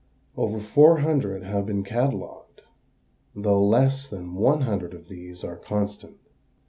Over four hundred have been catalogued, though less than one hundred of these are constant.